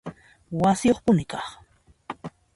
Wasiyuqpuni kaq